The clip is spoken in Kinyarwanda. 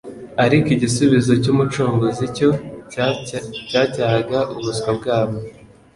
ariko igisubizo cy'Umucunguzi cyo cyacyahaga ubuswa bwabo.